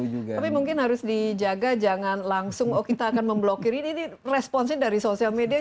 tapi mungkin harus dijaga jangan langsung oh kita akan memblokir ini responsnya dari sosial media